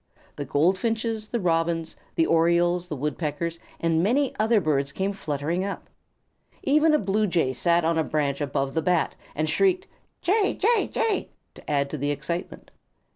The Goldfinches, the Robins, the Orioles, the Woodpeckers, and many other birds came fluttering up. Even a Blue Jay sat on a branch above the Bat and shrieked, "Jay! Jay! Jay!" to add to the excitement.